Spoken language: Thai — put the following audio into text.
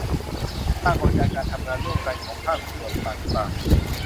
สร้างกลไกการทำงานร่วมกันของภาคส่วนต่างต่าง